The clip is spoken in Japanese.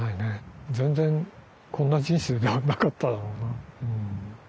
全然こんな人生ではなかっただろうな。